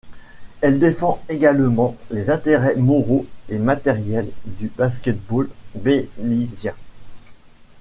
Elle défend également les intérêts moraux et matériels du basket-ball bélizien.